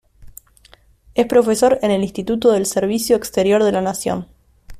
Es profesor en el Instituto del Servicio Exterior de la Nación.